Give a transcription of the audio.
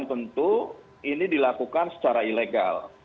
tentu ini dilakukan secara ilegal